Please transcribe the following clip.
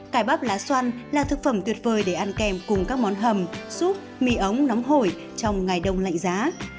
cải bắp lá xoăn là thực phẩm tuyệt vời để ăn kèm cùng các món hầm xúp mì ống nóng hổi trong ngày đông lạnh giá